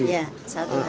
iya satu hari